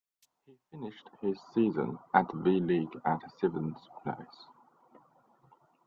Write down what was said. He finished his season at V-League at seventh place.